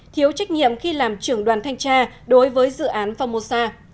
thiếu trách nhiệm khi làm trưởng đoàn thanh tra đối với dự án phongmosa